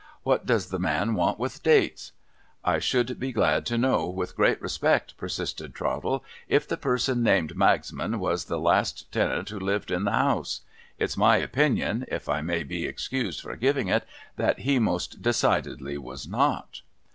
' What does the man want with dates !'' I should be glad to know, with great respect,' persisted Trottle, * if the person named Magsmanwas the last tenant who lived in the House. It's my opinion — if I may be excused for giving it — that he most decidedly was not.'